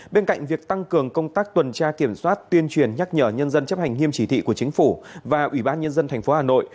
bên cạnh việc tăng cường công tác tuần tra kiểm soát tuyên truyền nhắc nhở nhân dân chấp hành nghiêm chỉ thị của chính phủ và ủy ban nhân dân tp hà nội